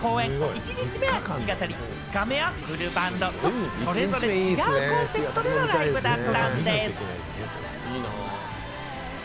１日目は弾き語り、２日目はフルバンドと、それぞれ違うコンセプトでのライブだったんでぃす。